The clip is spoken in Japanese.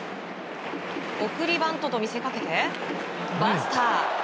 送りバントと見せかけてバスター。